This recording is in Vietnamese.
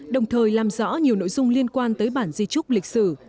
đồng thời làm rõ nhiều nội dung liên quan tới bản di trúc lịch sử